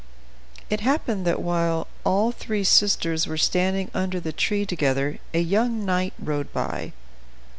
It happened that while all three sisters were standing under the tree together a young knight rode by.